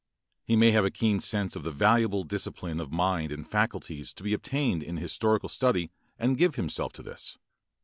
He may have a keen sense of the valuable discipline of mind and faculties to be obtained in historical study and give himself to this.